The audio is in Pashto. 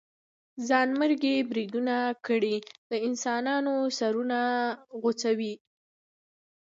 ځانمرګي بريدونه کړئ د انسانانو سرونه غوڅوئ.